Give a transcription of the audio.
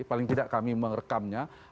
paling tidak kami merekamnya